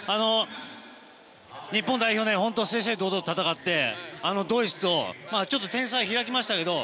日本代表、正々堂々戦ってドイツと点差は開きましたけど。